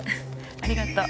あありがとう。